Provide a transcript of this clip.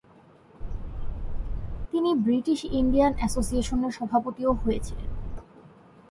তিনি British Indian অ্যাসোসিয়েশনের সভাপতিও হয়েছিলেন।